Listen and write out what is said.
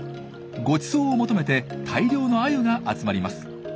ごちそうを求めて大量のアユが集まります。